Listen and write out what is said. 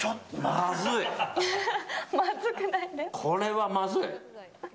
これはまずい。